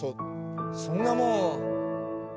そそんなもん。